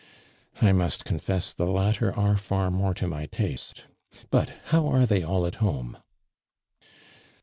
" I must confess the latter are far more to my taste; but how are they all at home?"